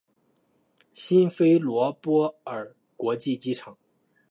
辛菲罗波尔国际机场。